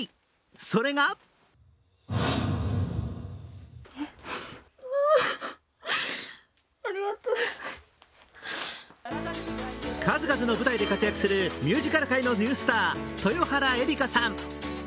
それが数々の舞台で活躍するミュージカル界のニュースター、豊原江理佳さん。